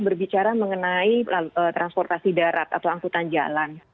berbicara mengenai transportasi darat atau angkutan jalan